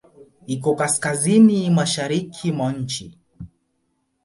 Iko Kaskazini mashariki mwa nchi.